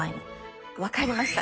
分かりました。